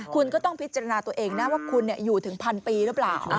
คุณก็ต้องพิจารณาตัวเองนะว่าคุณอยู่ถึงพันปีหรือเปล่า